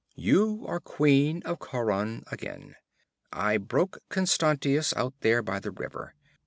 You are Queen of Khauran again. I broke Constantius, out there by the river.